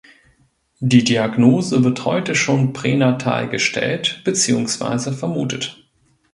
Die Diagnose wird heute schon pränatal gestellt beziehungsweise vermutet.